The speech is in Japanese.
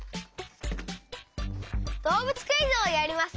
どうぶつクイズをやります。